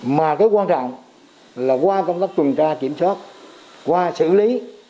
mà cái quan trọng là qua công tác tuần tra kiểm soát qua xử lý